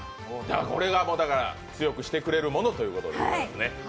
これが強くしてくれるものということですね。